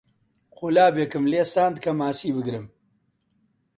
قولاپێکم لێ ساندن کە ماسی بگرم